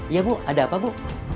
iya bu ada apa bu